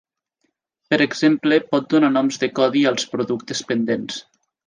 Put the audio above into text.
Per exemple, pot donar noms de codi als productes pendents.